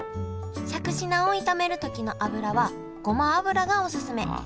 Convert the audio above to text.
しゃくし菜を炒める時の油はごま油がおすすめ。